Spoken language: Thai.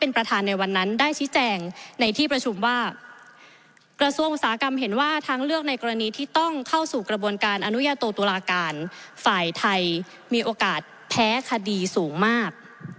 ในที่ประชุมว่ากระทรวงศาสตร์กรรมเห็นว่าทางเลือกในกรณีที่ต้องเข้าสู่กระบวนการอนุญาโตตุลาการฝ่ายไทยมีโอกาสแพ้คดีสูงมาก